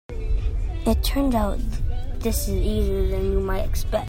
It turns out this is easier than you might expect.